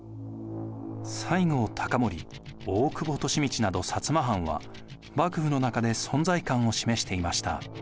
西郷隆盛大久保利通など摩藩は幕府の中で存在感を示していました。